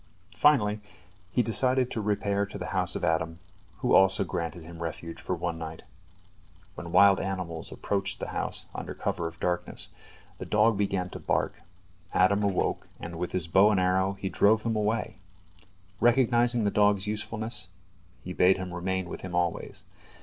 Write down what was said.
Finally, he decided to repair to the house of Adam, who also granted him refuge for one night. When wild animals approached the house under cover of darkness, the dog began to bark, Adam awoke, and with his bow and arrow he drove them away. Recognizing the dog's usefulness, he bade him remain with him always.